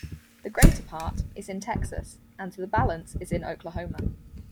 The greater part, is in Texas, and the balance is in Oklahoma.